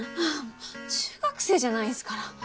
中学生じゃないんすから。